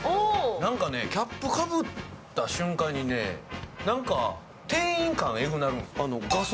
なんかね、キャップかぶった瞬間にね、なんか店員感が。